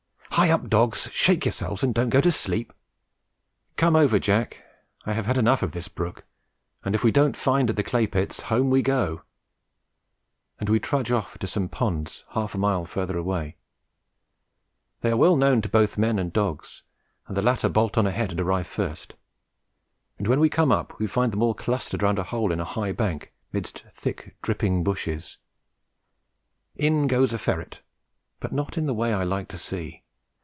"Hie up, dogs! shake yourselves and don't go to sleep! Come over, Jack; I have had enough of this brook; and if we don't find at the clay pits, home we go." And we trudge off to some ponds half a mile further away. They are well known to both men and dogs, and the latter bolt on ahead and arrive first; and when we come up we find them all clustered round a hole in a high bank 'midst thick dripping bushes. In goes a ferret, but not in the way I like to see.